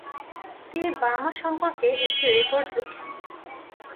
তিনি বার্মা সম্পর্কে একটি রিপোর্ট লেখেন।